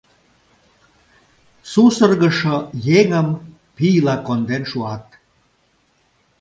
Сусыргышо еҥым пийла конден шуат.